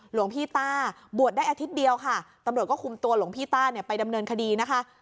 หลวงพี่ต้าบวชได้อาทิตย์เดียวค่ะตำรวจก็คุมตัวหลวงพี่ต้าเนี่ยไปดำเนินคดีนะคะ